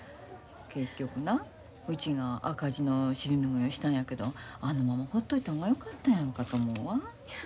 結局なうちが赤字の尻拭いをしたんやけどあのままほっといた方がよかったやんかと思うわ。